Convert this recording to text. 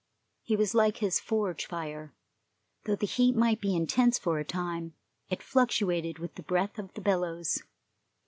He was like his forge fire; though the heat might be intense for a time, it fluctuated with the breath of the bellows.